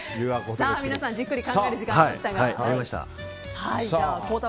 皆さんじっくり考える時間がありました。